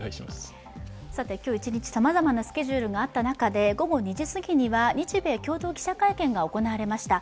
今日一日さまざまなスケジュールがあった中で午後２時すぎには日米共同記者会見がありました。